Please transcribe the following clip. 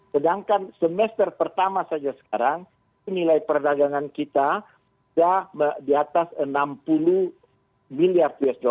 sedangkan semester pertama saja sekarang nilai perdagangan kita sudah di atas enam puluh miliar usd